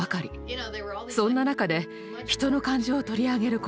そんな中で人の感情を取り上げる